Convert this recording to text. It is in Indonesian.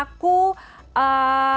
pelaku yang berpengalaman